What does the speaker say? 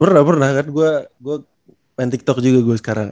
pernah pernah kan gue gue main tiktok juga gue sekarang